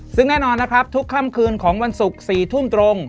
ซึ่งแน่นอนนะครับทุกค่ำคืนของวันศุกร์๔ทุ่มตรง